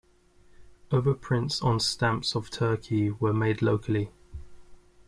Overprints on stamps of Turkey were made locally.